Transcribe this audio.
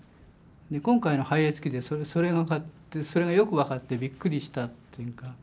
今回の「拝謁記」でそれがよく分かってびっくりしたというか。